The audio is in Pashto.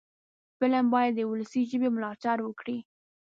فلم باید د ولسي ژبې ملاتړ وکړي